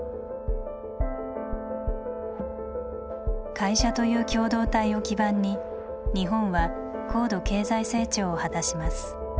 会社という共同体を基盤に日本は高度経済成長を果たします。